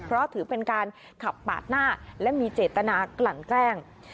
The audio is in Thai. เพราะถือเป็นการขับปาดหน้าและมีเจตนากลั่นแกล้ง